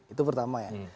itu pertama ya